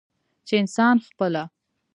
چې انسان خپله